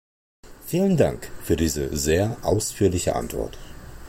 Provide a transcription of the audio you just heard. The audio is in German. Vielen Dank für diese sehr ausführliche Antwort.